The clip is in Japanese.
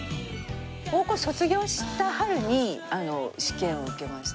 高校卒業した春に試験を受けました。